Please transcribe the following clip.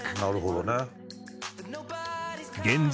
「なるほどね」